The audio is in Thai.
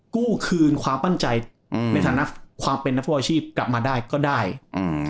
กู้คืนความมั่นใจอืมในฐานะความเป็นนักฟุตบอลอาชีพกลับมาได้ก็ได้อืม